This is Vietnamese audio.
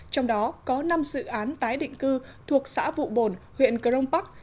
trong đó có năm dự án tái định cư thuộc xã vụ bồn huyện crong park